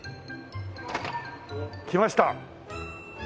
きました！